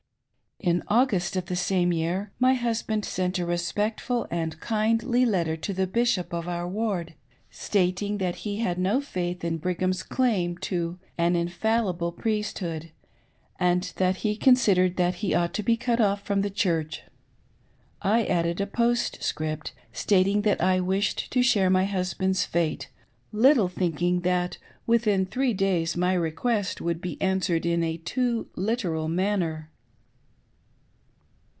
' In August of the same year, my husband sent a respectful and kindly letter to the Bishop of our Ward, stating that' he ' had no faith in Brigham's claim to an " Infallible Priesthood," and that he considered that he ought to be cut off from the Church. I added a postscript, stating that I wished to share my husband's fate — little thinking that within three days rny request would be answered in a too literal manner.